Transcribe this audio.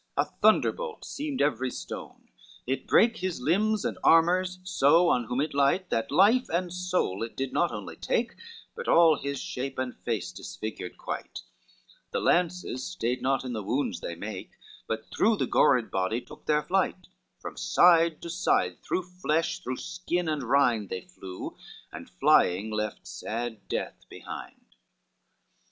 LXIX A thunderbolt seemed every stone, it brake His limbs and armors on whom so it light, That life and soul it did not only take But all his shape and face disfigured quite; The lances stayed not in the wounds they make, But through the gored body took their flight, From side to side, through flesh, through skin and rind They flew, and flying, left sad death behind.